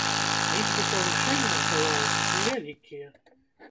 Лічбы павышэння, здавалася б, невялікія.